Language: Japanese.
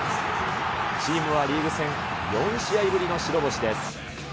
チームはリーグ戦、４試合ぶりの白星です。